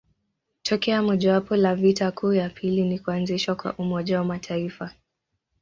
Tokeo mojawapo la vita kuu ya pili ni kuanzishwa kwa Umoja wa Mataifa.